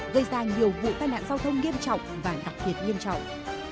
gây ra nhiều vụ tai nạn giao thông nghiêm trọng và đặc biệt nghiêm trọng